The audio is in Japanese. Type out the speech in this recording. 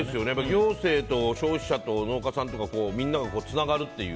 行政と消費者と農家さんのみんながつながるっていう。